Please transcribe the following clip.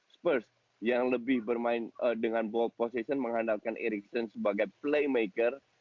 spurs yang lebih bermain dengan ball position mengandalkan ericson sebagai playmaker